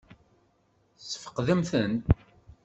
Tesfeqdemt-ten?